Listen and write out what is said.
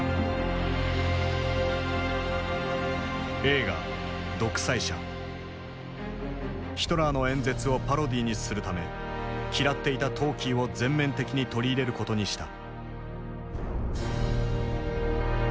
映画ヒトラーの演説をパロディーにするため嫌っていたトーキーを全面的に取り入れることにした。